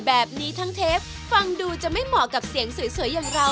แบบนี้ทั้งเทปฟังดูจะไม่เหมาะกับเสียงสวยอย่างเรา